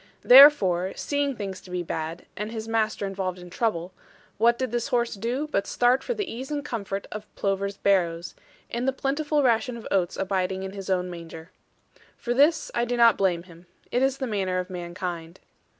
Therefore, seeing things to be bad, and his master involved in trouble, what did this horse do but start for the ease and comfort of Plover's Barrows, and the plentiful ration of oats abiding in his own manger. For this I do not blame him. It is the manner of mankind.